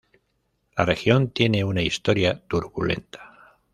La región tiene una historia turbulenta.